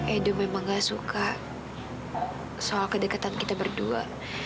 edo memang gak suka soal kedekatan kita berdua